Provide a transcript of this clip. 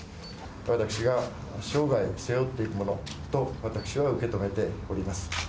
私が生涯、背負っていくものと、私は受け止めております。